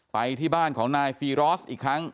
ไปที่บ้านของนายฟีรอสอีกครั้ง